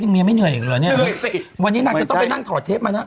เมียไม่เหนื่อยอีกเหรอเนี่ยวันนี้นางจะต้องไปนั่งถอดเทปมานะ